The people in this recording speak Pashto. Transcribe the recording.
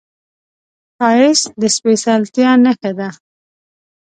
ښایست د سپېڅلتیا نښه ده